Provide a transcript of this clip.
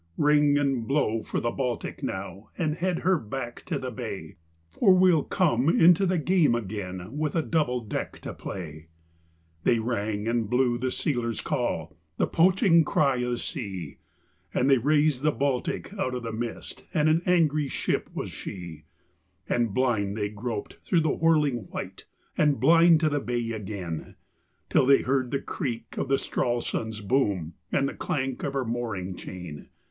Ring and blow for the Baltic now, and head her back to the bay, For we'll come into the game again with a double deck to play!" They rang and blew the sealers' call the poaching cry o' the sea And they raised the Baltic out of the mist, and an angry ship was she: And blind they groped through the whirling white, and blind to the bay again, Till they heard the creak of the Stralsund's boom and the clank of her mooring chain.